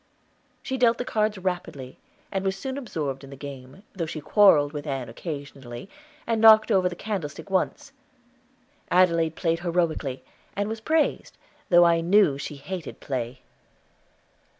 She dealt the cards rapidly, and was soon absorbed in the game, though she quarreled with Ann occasionally, and knocked over the candlestick once. Adelaide played heroically, and was praised, though I knew she hated play.